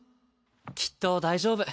きっと大丈夫。